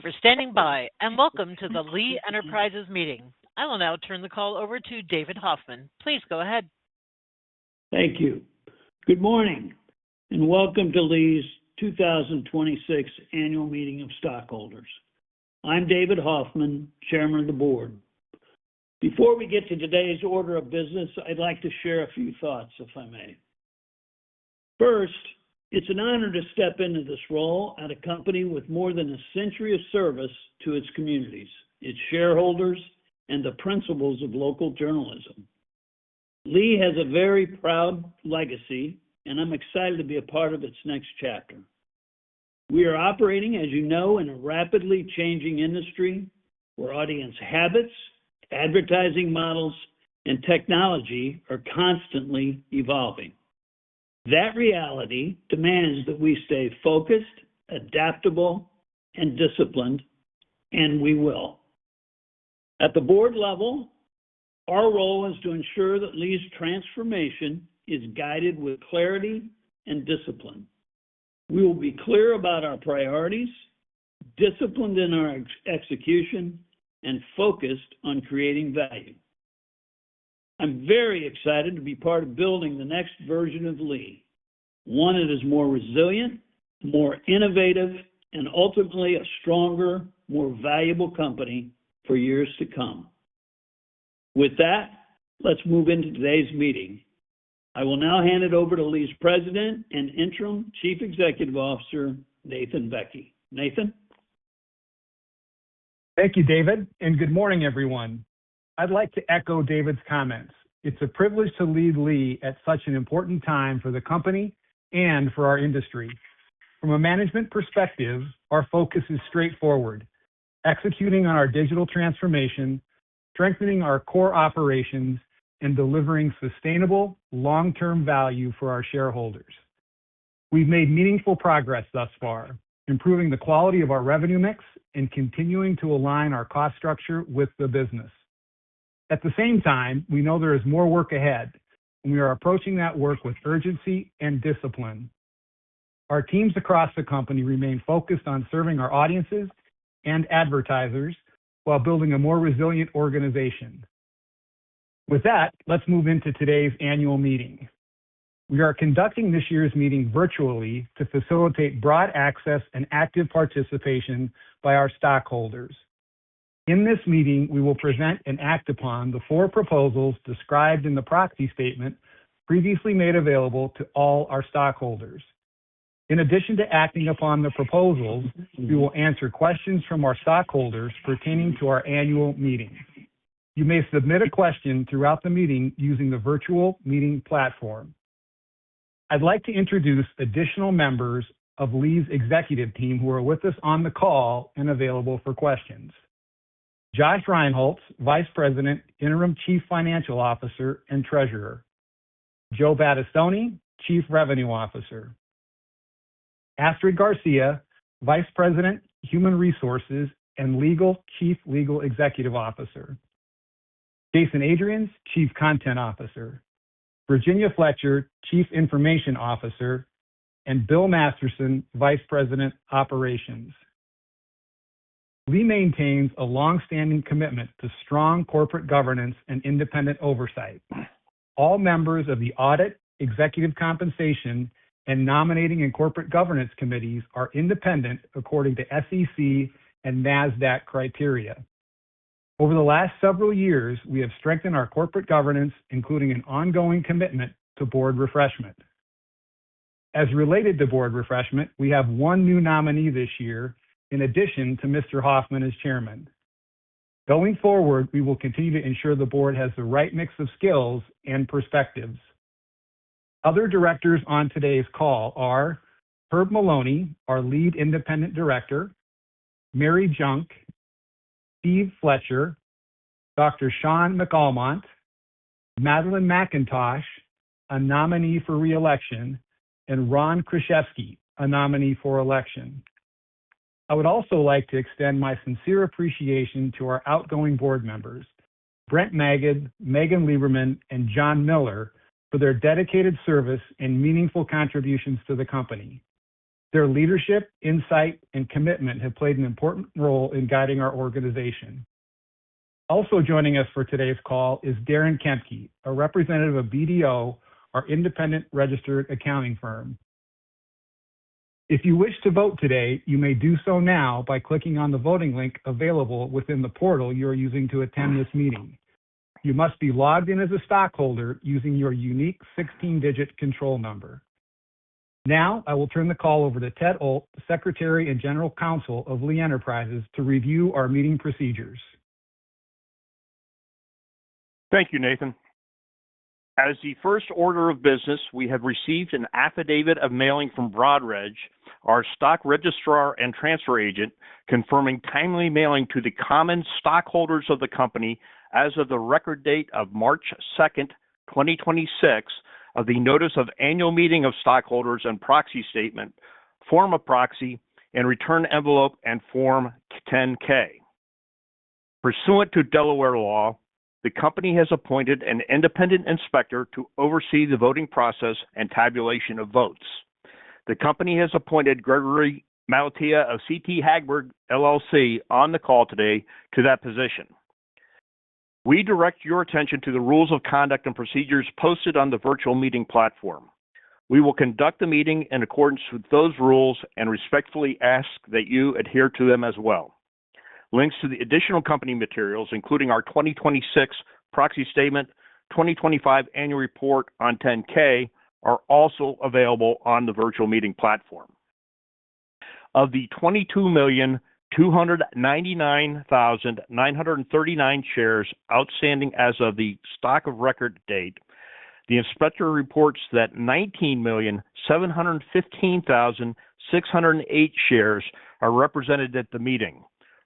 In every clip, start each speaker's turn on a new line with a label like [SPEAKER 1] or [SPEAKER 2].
[SPEAKER 1] Thank you for standing by and Welcome to the Lee Enterprises meeting. I will now turn the call over to David Hoffman. Please go ahead.
[SPEAKER 2] Good morning, and Welcome to Lee's 2026 Annual Meeting of Stockholders. I'm David Hoffman, Chairman of the Board. Before we get to today's order of business, I'd like to share a few thoughts, if I may. First, it's an honor to step into this role at a company with more than a century of service to its communities, its shareholders, and the principles of local journalism. Lee has a very proud legacy, and I'm excited to be a part of its next chapter. We are operating, as you know, in a rapidly changing industry where audience habits, advertising models, and technology are constantly evolving. That reality demands that we stay focused, adaptable, and disciplined, and we will. At the board level, our role is to ensure that Lee's transformation is guided with clarity and discipline. We will be clear about our priorities, disciplined in our execution, and focused on creating value. I'm very excited to be part of building the next version of Lee. One that is more resilient, more innovative, and ultimately a stronger, more valuable company for years to come. With that, let's move into today's meeting. I will now hand it over to Lee's President and Interim Chief Executive Officer, Nathan Bekke. Nathan?
[SPEAKER 3] Thank you, David, and good morning, everyone. I'd like to echo David's comments. It's a privilege to lead Lee at such an important time for the company and for our industry. From a management perspective, our focus is straightforward, executing on our digital transformation, strengthening our core operations, and delivering sustainable long-term value for our shareholders. We've made meaningful progress thus far, improving the quality of our revenue mix and continuing to align our cost structure with the business. At the same time, we know there is more work ahead, and we are approaching that work with urgency and discipline. Our teams across the company remain focused on serving our audiences and advertisers while building a more resilient organization. With that, let's move into today's annual meeting. We are conducting this year's meeting virtually to facilitate broad access and active participation by our stockholders. In this meeting, we will present and act upon the four proposals described in the proxy statement previously made available to all our stockholders. In addition to acting upon the proposals, we will answer questions from our stockholders pertaining to our annual meeting. You may submit a question throughout the meeting using the virtual meeting platform. I'd like to introduce additional members of Lee's executive team who are with us on the call and available for questions. Josh Rinehultz, Vice President, Interim Chief Financial Officer, and Treasurer. Joe Battistoni, Chief Revenue Officer. Astrid Garcia, Vice President, Human Resources and Legal, Chief Legal Executive Officer. Jason Adrians, Chief Content Officer. Virginia Fletcher, Chief Information Officer, and Bill Masterson, Vice President, Operations. Lee maintains a longstanding commitment to strong corporate governance and independent oversight. All members of the audit, executive compensation, and nominating and corporate governance committees are independent according to SEC and Nasdaq criteria. Over the last several years, we have strengthened our corporate governance, including an ongoing commitment to board refreshment. As related to board refreshment, we have one new nominee this year in addition to Mr. Hoffman as chairman. Going forward, we will continue to ensure the board has the right mix of skills and perspectives. Other directors on today's call are Herb Moloney, our Lead Independent Director, Mary Junck, Steve Fletcher, Dr. Shaun McAlmont, Madeline McIntosh, a nominee for re-election, and Ron Kruszewski, a nominee for election. I would also like to extend my sincere appreciation to our outgoing board members, Brent Magid, Megan Lieberman, and John Miller for their dedicated service and meaningful contributions to the company. Their leadership, insight, and commitment have played an important role in guiding our organization. Also joining us for today's call is Darren Kempke, a representative of BDO, our independent registered accounting firm. If you wish to vote today, you may do so now by clicking on the voting link available within the portal you're using to attend this meeting. You must be logged in as a stockholder using your unique 16-digit control number. Now, I will turn the call over to Ted Olt, the Secretary and General Counsel of Lee Enterprises, to review our meeting procedures.
[SPEAKER 4] Thank you, Nathan. As the first order of business, we have received an affidavit of mailing from Broadridge, our stock registrar and transfer agent, confirming timely mailing to the common stockholders of the company as of the record date of March 2nd, 2026, of the notice of annual meeting of stockholders and proxy statement, form of proxy, and return envelope and Form 10-K. Pursuant to Delaware law, the company has appointed an independent inspector to oversee the voting process and tabulation of votes. The company has appointed Gregory Malatia of CT Hagberg LLC, on the call today, to that position. We direct your attention to the rules of conduct and procedures posted on the virtual meeting platform. We will conduct the meeting in accordance with those rules and respectfully ask that you adhere to them as well. Links to the additional company materials, including our 2026 proxy statement, 2025 annual report on 10-K, are also available on the virtual meeting platform. Of the 22,299,939 million shares outstanding as of the record date, the inspector reports that 19,715,608 million shares are represented at the meeting,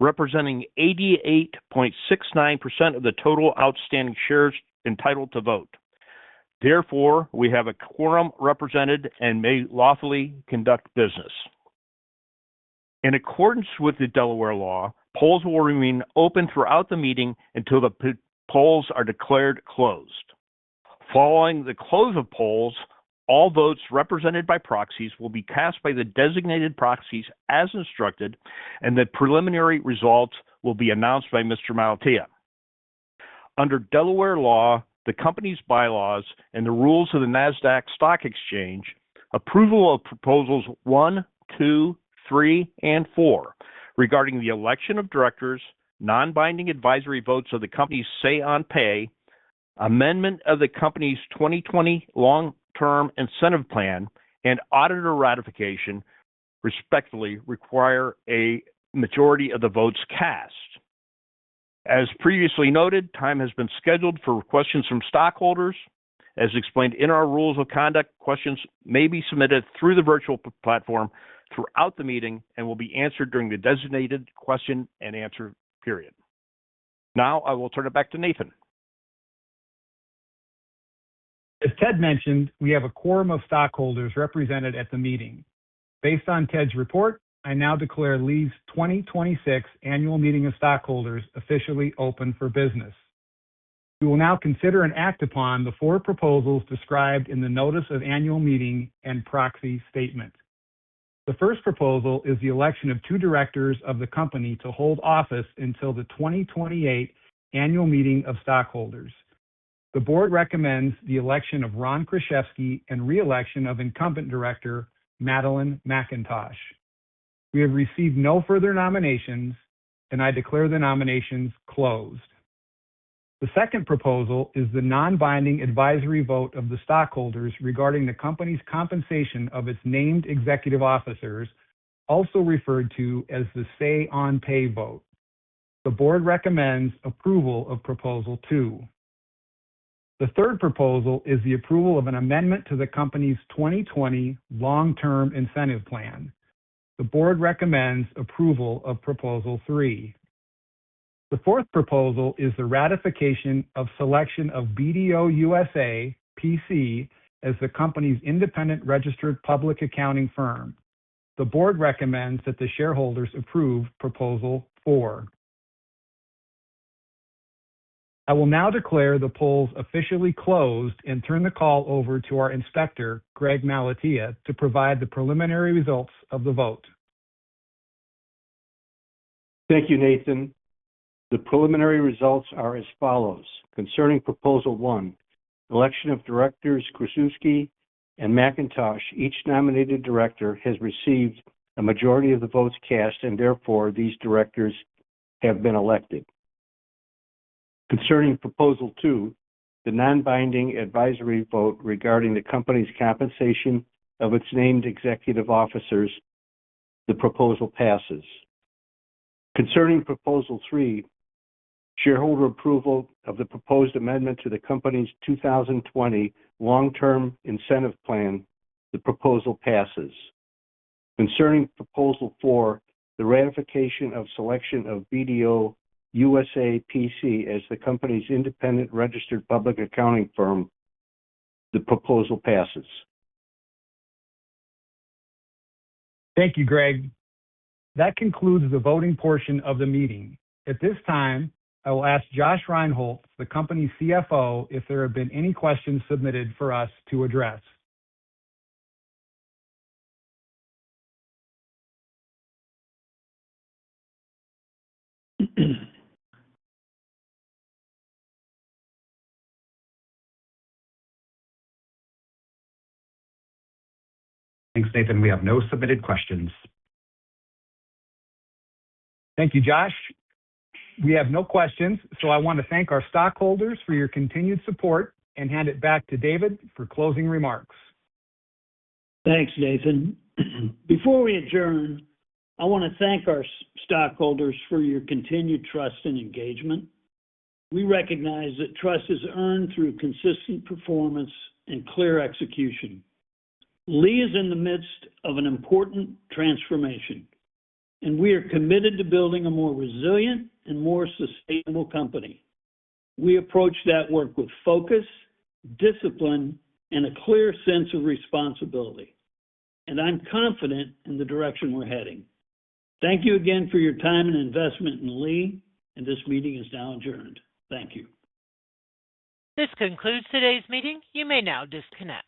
[SPEAKER 4] representing 88.69% of the total outstanding shares entitled to vote. Therefore, we have a quorum represented and may lawfully conduct business. In accordance with the Delaware law, polls will remain open throughout the meeting until the polls are declared closed. Following the close of polls, all votes represented by proxies will be cast by the designated proxies as instructed, and the preliminary results will be announced by Mr. Malatia. Under Delaware law, the company's bylaws, and the rules of the Nasdaq Stock Exchange, approval of proposals one, two, three, and four regarding the election of directors, non-binding advisory votes of the company's say on pay, amendment of the company's 2020 long-term incentive plan, and auditor ratification, respectively require a majority of the votes cast. As previously noted, time has been scheduled for questions from stockholders. As explained in our rules of conduct, questions may be submitted through the virtual platform throughout the meeting and will be answered during the designated question and answer period. Now I will turn it back to Nathan.
[SPEAKER 3] As Ted mentioned, we have a quorum of stockholders represented at the meeting. Based on Ted's report, I now declare Lee's 2026 annual meeting of stockholders officially open for business. We will now consider and act upon the four proposals described in the notice of annual meeting and proxy statement. The first proposal is the election of two directors of the company to hold office until the 2028 annual meeting of stockholders. The board recommends the election of Ron Kruszewski and re-election of incumbent director Madeline MacIntosh. We have received no further nominations, and I declare the nominations closed. The second proposal is the non-binding advisory vote of the stockholders regarding the company's compensation of its named executive officers, also referred to as the say on pay vote. The board recommends approval of proposal two. The third proposal is the approval of an amendment to the company's 2020 long-term incentive plan. The board recommends approval of proposal three. The fourth proposal is the ratification of selection of BDO USA PC as the company's independent registered public accounting firm. The board recommends that the shareholders approve proposal four. I will now declare the polls officially closed and turn the call over to our inspector, Greg Malatia, to provide the preliminary results of the vote.
[SPEAKER 5] Thank you, Nathan. The preliminary results are as follows. Concerning proposal one, election of directors Kruszewski and McIntosh, each nominated director has received a majority of the votes cast, and therefore, these directors have been elected. Concerning proposal two, the non-binding advisory vote regarding the company's compensation of its named executive officers, the proposal passes. Concerning proposal three, shareholder approval of the proposed amendment to the company's 2020 long-term incentive plan, the proposal passes. Concerning proposal four, the ratification of selection of BDO USA PC as the company's independent registered public accounting firm, the proposal passes.
[SPEAKER 3] Thank you, Greg. That concludes the voting portion of the meeting. At this time, I will ask Josh Rinehultz, the company CFO, if there have been any questions submitted for us to address.
[SPEAKER 6] Thanks, Nathan. We have no submitted questions.
[SPEAKER 3] Thank you, Josh. We have no questions, so I want to thank our stockholders for your continued support and hand it back to David for closing remarks.
[SPEAKER 2] Thanks, Nathan. Before we adjourn, I want to thank our stockholders for your continued trust and engagement. We recognize that trust is earned through consistent performance and clear execution. Lee is in the midst of an important transformation, and we are committed to building a more resilient and more sustainable company. We approach that work with focus, discipline, and a clear sense of responsibility, and I'm confident in the direction we're heading. Thank you again for your time and investment in Lee, and this meeting is now adjourned. Thank you.
[SPEAKER 1] This concludes today's meeting. You may now disconnect.